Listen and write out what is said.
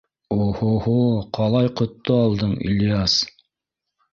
— Оһо-һо, ҡалай ҡотто алдың, Ильяс!